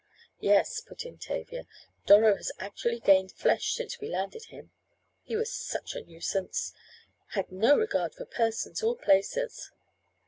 "Yes," put in Tavia, "Doro has actually gained flesh since we landed him. He was such a nuisance. Had no regard for persons or places."